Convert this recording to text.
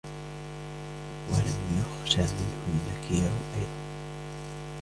وَلَمْ يُخْشَ مِنْهُ النَّكِيرُ أَيْضًا